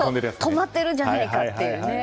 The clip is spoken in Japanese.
止まっているんじゃないかっていう。